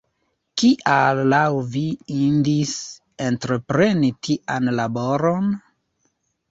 Kial laŭ vi indis entrepreni tian laboron?